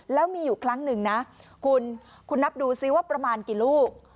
แล้วมีอยู่ครั้งหนึ่งนะคุณนับดูซิว่าประมาณกี่ลูก